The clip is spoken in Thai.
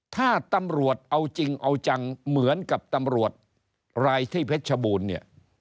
ถ้าตำรวจเอาจริงเอาจังเหมือนกับตำรวจรายที่เพชรชบูรณ์เนี่ย